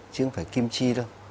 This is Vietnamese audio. chứ không phải kim chi đâu